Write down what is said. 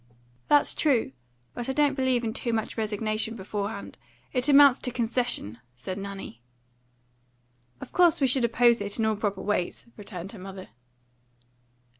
"That's true. But I don't believe in too much resignation beforehand. It amounts to concession," said Nanny. "Of course we should oppose it in all proper ways," returned her mother.